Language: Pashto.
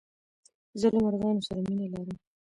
زه له مرغانو سره مينه لرم.